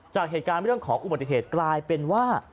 จากเหตุการณ์เรื่องของอุบัติเหตุกลายเป็นว่า